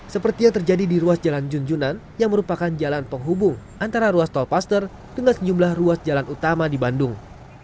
seperti yang terjadi di ruas jalan junjunan yang merupakan jalan penghubung antara ruas tolpaster dengan sejumlah ruas jalan utama di bandung